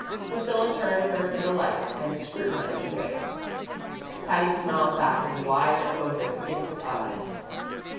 Priscilla turned her to the light and scrutinized her face. Patty smiled back with wide open, innocent eyes.